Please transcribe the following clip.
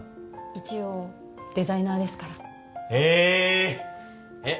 一応デザイナーですからえっえっ